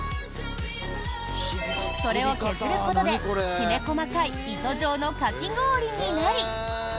それを削ることで、きめ細かい糸状のかき氷になり。